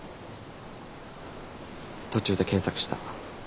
途中で検索した。